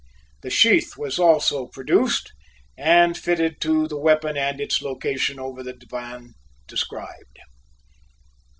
The sheath was also produced and fitted to the weapon and its location over the divan described.